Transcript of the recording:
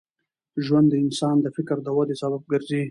ژوند د انسان د فکر د ودې سبب ګرځي.